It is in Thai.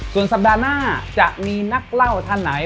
ส่วนสัปดาห์หน้าจะมีนักเล่าท่านไหน